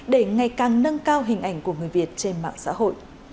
để ngày càng nâng cao hình ảnh của người việt trên mạng xã hội